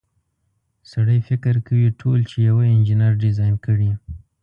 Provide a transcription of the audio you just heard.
سړی فکر کوي ټول چې یوه انجنیر ډیزاین کړي.